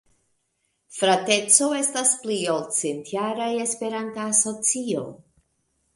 Frateco estas pli ol centjara esperanta asocio.